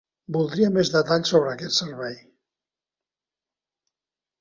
Voldria més detalls sobre aquest servei.